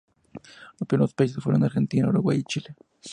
Los primeros países fueron Argentina, Uruguay y Chile.